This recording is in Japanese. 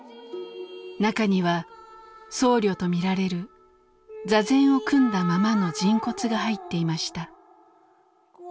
中には僧侶と見られる座禅を組んだままの人骨が入っていました。